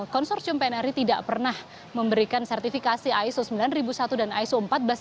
konsorsium pnri tidak pernah memberikan sertifikasi iso sembilan ribu satu dan iso empat belas